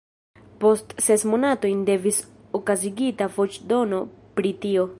Post ses monatojn devis okazigita voĉdono pri tio.